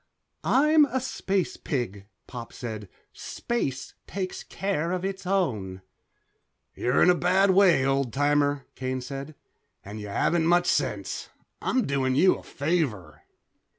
"I'm a space pig," Pop said. "Space takes care of its own." "You're in a bad way, old timer," Kane said, "and you haven't much sense. I'm doing you a favor."